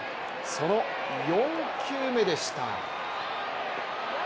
その４球目でした。